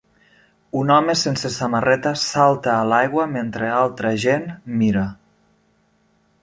Un home sense samarreta salta a l'aigua mentre altra gent mira.